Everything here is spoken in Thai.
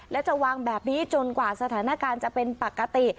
และจะวางแบบนี้จนกว่าสถานการณ์จะเป็นปกติ